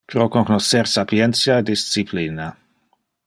Pro cognoscer sapientia e disciplina.